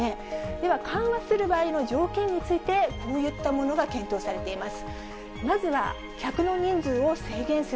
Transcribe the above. では、緩和する場合の条件について、こういったものが検討されています。